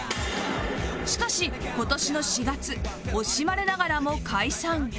しかし今年の４月惜しまれながらも解散